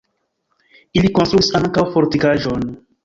Ili konstruis ankaŭ fortikaĵon.